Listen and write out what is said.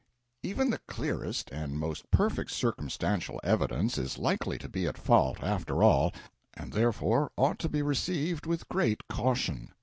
Even the clearest and most perfect circumstantial evidence is likely to be at fault, after all, and therefore ought to be received with great caution.